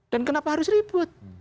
dan kenapa harus ribut